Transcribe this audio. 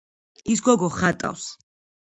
ის გოგო ხატავს